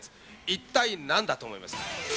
一体なんだと思います？